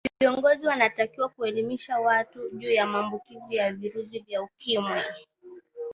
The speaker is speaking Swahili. viongozi wanatakiwa kuelimisha watu juu ya maambukizi ya virusi vya ukimwi